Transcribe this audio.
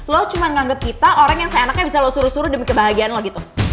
lo cuma nganggep kita orang yang seenaknya bisa lo suruh suruh demi kebahagiaan lo gitu